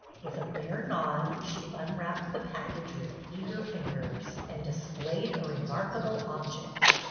With a bare nod, she unwrapped the j^ackage with eager fin gers and displayed a remarkable object.